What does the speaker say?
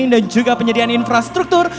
dan juga penyediaan infrastruktur